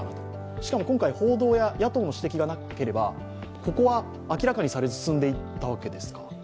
しかも今回報道や野党の指摘がなければ、ここは明らかにされず進んでしまったわけですから。